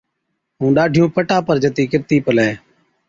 ائُون ڏاڍِيُون پٽا پر جتِي ڪِرتِي پلَي۔